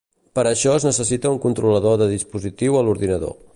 Per a això es necessita un controlador de dispositiu a l'ordinador.